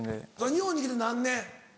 日本に来て何年？